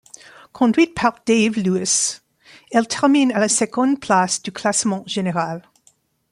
Conduite par Dave Lewis, elle termine à la seconde place du classement général.